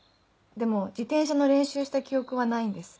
でも自転車の練習した記憶はないんです。